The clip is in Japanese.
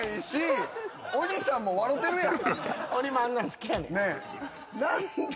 鬼もあんなん好きやねん。